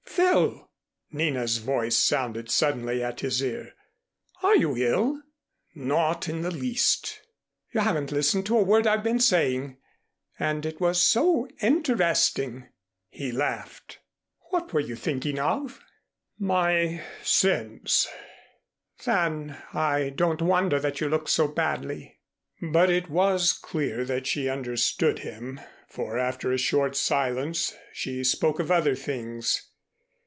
"Phil!" Nina's voice sounded suddenly at his ear. "Are you ill?" "Not in the least." "You haven't listened to a word I've been saying, and it was so interesting." He laughed. "What were you thinking of?" "My sins." "Then I don't wonder that you looked so badly." But it was clear that she understood him, for after a short silence she spoke of other things.